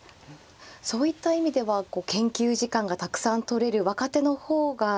そういった意味では研究時間がたくさん取れる若手の方が。